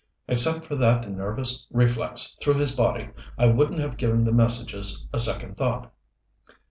Except for that nervous reflex through his body I wouldn't have given the messages a second thought.